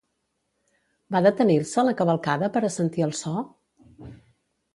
Va detenir-se la cavalcada per a sentir el so?